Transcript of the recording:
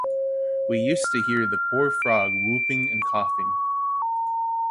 We used to hear the poor frog whooping and coughing.